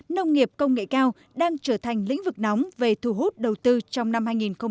nông nghiệp công nghệ cao đang trở thành lĩnh vực nóng về thu hút đầu tư trong năm hai nghìn hai mươi